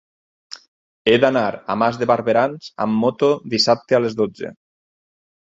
He d'anar a Mas de Barberans amb moto dissabte a les dotze.